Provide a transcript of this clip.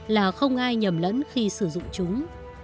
là không ai nhầm lẫn khi sử dụng chúng